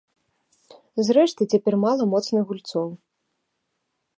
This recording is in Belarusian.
Зрэшты, цяпер мала моцных гульцоў.